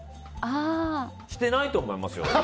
してないと思いますよ。